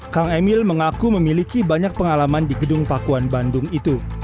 kang emil mengaku memiliki banyak pengalaman di gedung pakuan bandung itu